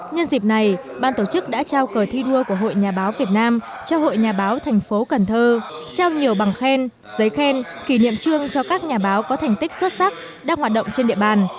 nhân dịp này ban tổ chức đã trao cờ thi đua của hội nhà báo việt nam cho hội nhà báo thành phố cần thơ trao nhiều bằng khen giấy khen kỷ niệm trương cho các nhà báo có thành tích xuất sắc đang hoạt động trên địa bàn